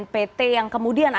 program yang berbeda